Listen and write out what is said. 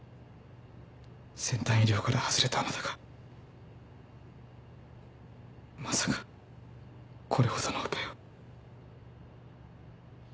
先端医療から外れたあなたがまさかこれほどのオペを。